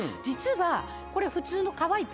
実はこれ普通の。